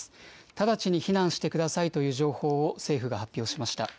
直ちに避難してくださいという情報を政府が発表しました。